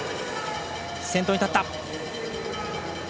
先頭に立った。